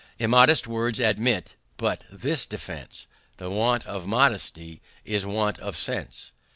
"Immodest words admit but this defense, That want of modesty is want of sense."